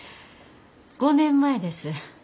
５年前です。